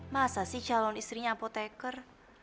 masa sih calon istrinya apoteker